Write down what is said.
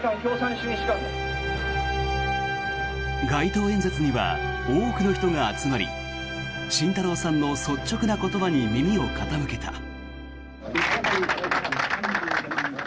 街頭演説には多くの人が集まり慎太郎さんの率直な言葉に耳を傾けた。